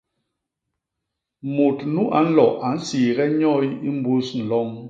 Mut nu a nlo a nsiige nyoy i mbus nloñ!